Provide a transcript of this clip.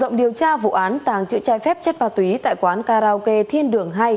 mở rộng điều tra vụ án tàng trữ trái phép chất ma túy tại quán karaoke thiên đường hai